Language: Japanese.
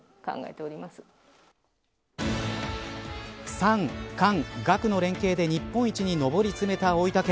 産・官・学の連携で日本一に上り詰めた大分県。